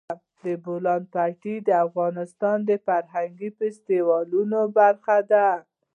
د بولان پټي د افغانستان د فرهنګي فستیوالونو برخه ده.